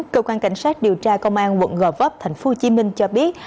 cơ quan cảnh sát điều tra công an quận gò vấp tp hcm cho biết